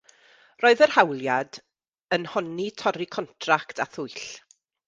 Roedd yr hawliad yn honni torri contract a thwyll.